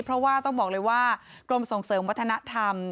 เพราะว่าต้องบอกเลยว่ากรมส่งเสริมวัฒนธรรม